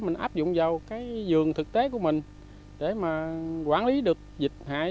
mình áp dụng vào cái dường thực tế của mình để mà quản lý được dịch hại